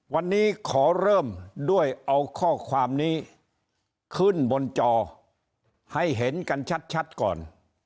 วันนี้ขอเริ่มด้วยเอาข้อความนี้ขึ้นบนจอให้เห็นกันชัดก่อน